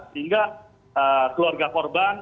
sehingga keluarga korban